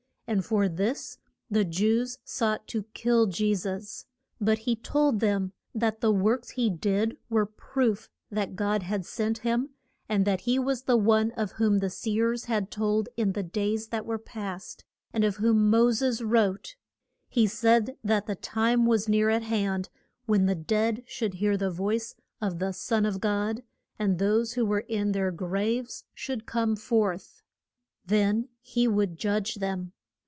And for this the Jews sought to kill Je sus. But he told them that the works he did were proof that God had sent him, and that he was the one of whom the seers had told in the days that were past, and of whom Mo ses wrote. He said that the time was near at hand when the dead should hear the voice of the Son of God, and those who were in their graves should come forth. Then he would judge them.